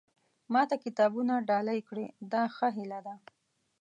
ما ته کتابونه ډالۍ کړي دا ښه هیله ده.